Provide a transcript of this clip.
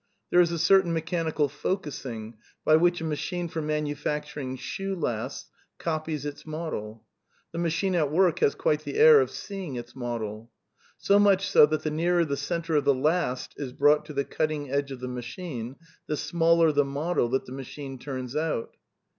There is a certain mechanical focussing by which a machine for manu facturing shoe lasts copies its model. " The machine at work has quite the air of seeing its model." So much so that the nearer the centre of the last is brought to the cut ting edge of the machine, the smaller the model that the machine turns out.